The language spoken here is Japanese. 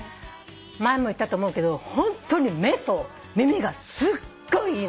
前も言ったと思うけどホントに目と耳がすっごいいいのね。